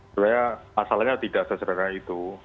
sebenarnya masalahnya tidak sesederhana itu